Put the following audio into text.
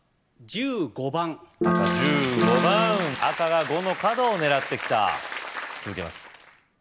１５番赤１５番赤が５の角を狙ってきた続けます